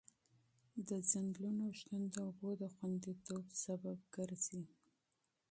د ځنګلونو موجودیت د اوبو د خونديتوب سبب کېږي.